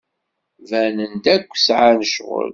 Banen-d akk sɛan ccɣel.